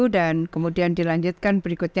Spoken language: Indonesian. dan kemudian dilanjutkan berikutnya